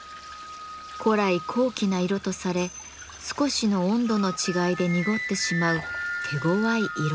古来高貴な色とされ少しの温度の違いで濁ってしまう手ごわい色です。